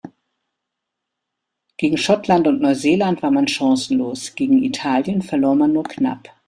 Gegen Schottland und Neuseeland war man chancenlos, gegen Italien verlor man nur knapp.